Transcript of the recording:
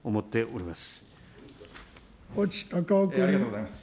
ありがとうございます。